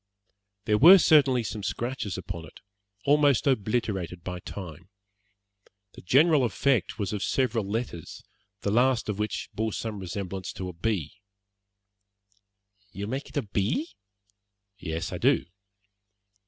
There were certainly some scratches upon it, almost obliterated by time. The general effect was of several letters, the last of which bore some resemblance to a B. "You make it a B?" "Yes, I do."